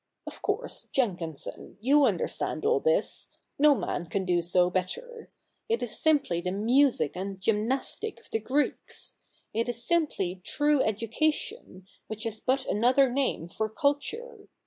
Of course, Jenkinson, you understand all this — no man can do so better. It is simply the music and gymnastic of the Greeks. It is simply true education, which is but another name for culture.